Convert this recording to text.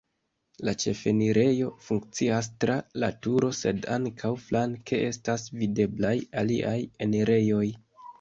La ĉefenirejo funkcias tra la turo, sed ankaŭ flanke estas videblaj aliaj enirejoj.